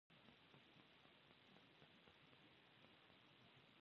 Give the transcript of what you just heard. هغه یوازې د ټيليفون په مټ د هغې روغتيا جاج اخيسته